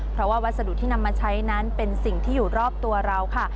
เพราะว่าวัสดุที่นำมาใช้นั้นเป็นสิ่งที่อยู่รอบตัวเราค่ะ